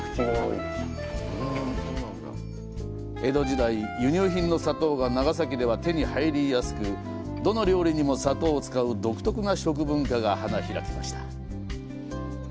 江戸時代、輸入品の砂糖が長崎では手に入りやすく、どの料理にも砂糖を使う独特な食文化が花開きました。